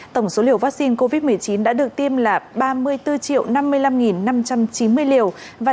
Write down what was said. tổng số liều vaccine covid một mươi chín đã được tiêm là ba mươi bốn năm mươi năm năm trăm chín mươi liều